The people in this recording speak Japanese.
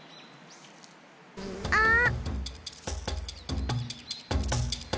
あっ！